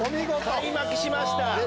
開幕しました。